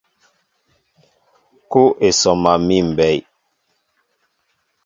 Kúw e sɔma míʼ mbɛy.